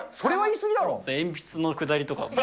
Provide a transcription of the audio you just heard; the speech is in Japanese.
鉛筆のくだりとかも。